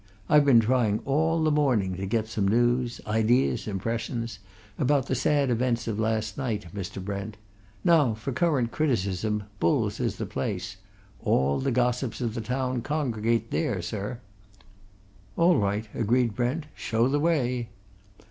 I've been trying all the morning to get some news, ideas, impressions, about the sad event of last night, Mr. Brent now, for current criticism, Bull's is the place. All the gossips of the town congregate there, sir." "All right," agreed Brent. "Show the way!"